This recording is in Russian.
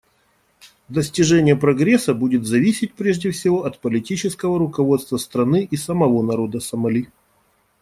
Достижение прогресса будет зависеть, прежде всего, от политического руководства страны и самого народа Сомали.